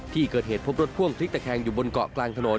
ที่เกิดเหตุพบรถพ่วงพลิกตะแคงอยู่บนเกาะกลางถนน